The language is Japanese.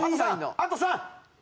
あと３！